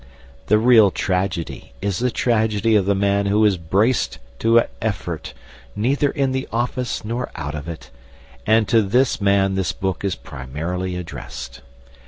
The real tragedy is the tragedy of the man who is braced to effort neither in the office nor out of it, and to this man this book is primarily addressed.